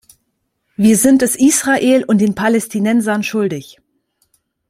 Wir sind es Israel und den Palästinensern schuldig.